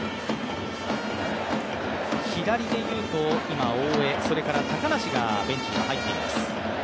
左で言うと今、大江、それから高梨がベンチには入っています。